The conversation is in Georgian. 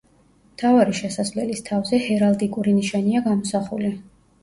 მთავარი შესასვლელის თავზე ჰერალდიკური ნიშანია გამოსახული.